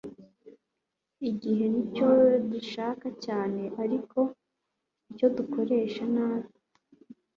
igihe nicyo dushaka cyane, ariko icyo dukoresha nabi